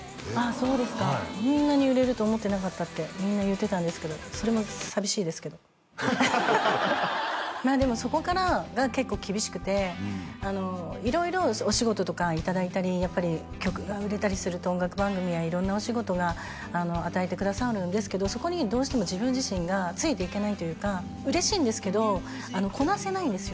そうですかあんなに売れると思ってなかったってみんな言ってたんですけどそれも寂しいですけどまあでもそこからが結構厳しくて色々お仕事とかいただいたりやっぱり曲が売れたりすると音楽番組や色んなお仕事が与えてくださるんですけどそこにどうしても自分自身がついていけないというか嬉しいんですけどこなせないんですよ